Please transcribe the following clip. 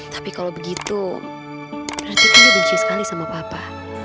tapi kalau begitu berarti kami benci sekali sama papa